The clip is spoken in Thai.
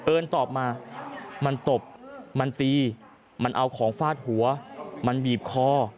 ตอบมามันตบมันตีมันเอาของฟาดหัวมันบีบคอ